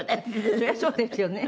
そりゃそうですよね。